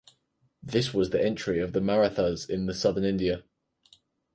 This was the entry of the Marathas in the Southern India.